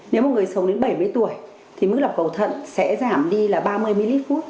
nếu một người sống đến bảy mươi tuổi thì mức lọc cầu thận sẽ giảm đi là ba mươi ml phút